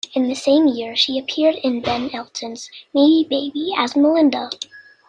In the same year she appeared in Ben Elton's "Maybe Baby" as Melinda.